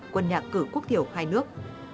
quân nhạc cử quốc thiểu hai nước